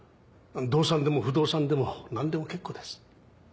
動産でも不動産でもなんでも結構です。